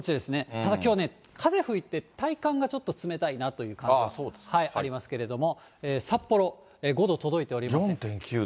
ただきょうね、風吹いて、体感がちょっと冷たいなという感じがありますけれども、４．９度。